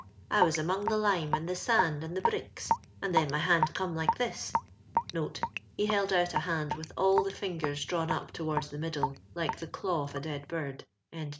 I waa among the lime^ and the send* end the brieks, and Oteai mj hand eome like this (he held out a hind with aU the flt^ars drawn up towards tiie middle, like the daw of a dead bird).